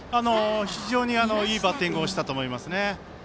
非常にいいバッティングをしたと思いますね。